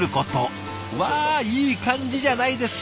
わいい感じじゃないですか。